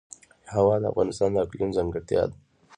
هوا د افغانستان د اقلیم ځانګړتیا ده.